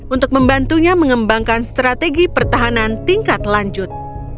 untuk membantunya mengembangkan strategi pertahanan tingkat lanjut